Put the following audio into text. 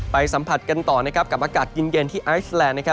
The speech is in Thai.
ไปสัมผัสกันต่อนะครับกับอากาศเย็นเย็นที่ไอซ์แลนด์นะครับ